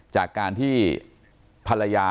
จากการที่ภรรยา